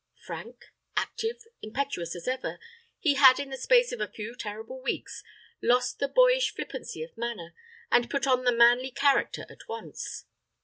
Frank, active, impetuous as ever, he had, in the space of a few terrible weeks, lost the boyish flippancy of manner, and put on the manly character at once.